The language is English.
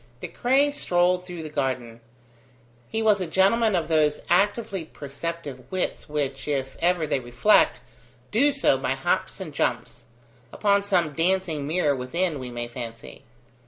De Craye strolled through the garden. He was a gentleman of those actively perceptive wits which, if ever they reflect, do so by hops and jumps: upon some dancing mirror within, we may fancy.